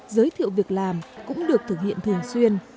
giới thiệu việc làm cũng được thực hiện thường xuyên